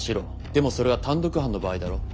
でもそれは単独犯の場合だろ？